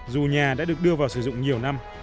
dù nhà đã được đưa vào sử dụng nhiều năm